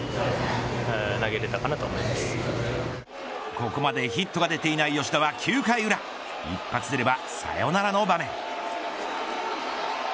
ここまでヒットが出ていない吉田は９回裏一発出れば、サヨナラの場面。